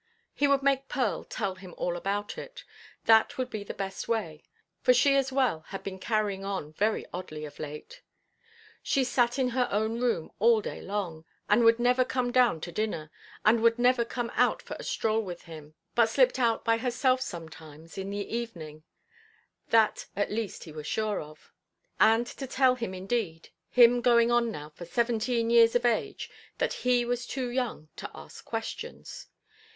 He would make Pearl tell him all about it, that would be the best way; for she as well had been carrying on very oddly of late. She sat in her own room all day long, and would never come down to dinner, and would never come out for a stroll with him, but slipped out by herself sometimes in the evening; that, at least, he was sure of. And to tell him indeed, him going on now for seventeen years of age, that he was too young to ask questions!